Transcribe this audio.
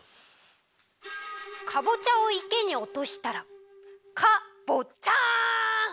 かぼちゃをいけにおとしたらカボッチャン！